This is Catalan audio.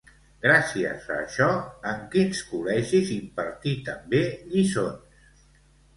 Gràcies a això, en quins col·legis impartí també lliçons?